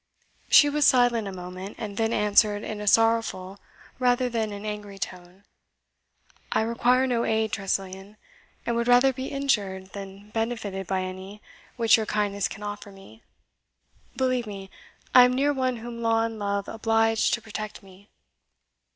She was silent a moment, and then answered in a sorrowful rather than an angry tone, "I require no aid, Tressilian, and would rather be injured than benefited by any which your kindness can offer me. Believe me, I am near one whom law and love oblige to protect me."